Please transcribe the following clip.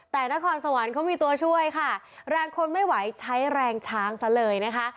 แต่นครสวรรค์เขามีตัวช่วยค่ะแรงคนไม่ไหวใช้แรงช้างซะเลยนะคะ